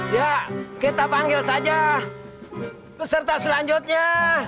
ya kita panggil saja peserta selanjutnya